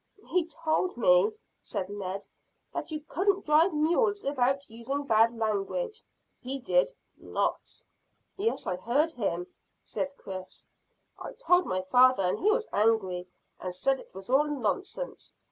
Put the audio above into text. "He told me," said Ned, "that you couldn't drive mules without using bad language. He did lots." "Yes, I heard him," said Chris. "I told my father, and he was angry and said it was all nonsense.